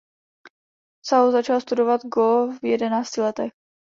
Cao začal studovat go v jedenácti letech.